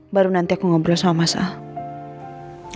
baru nanti aku ngobrol sama mas ah